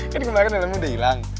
kan kembali kan yang kamu udah hilang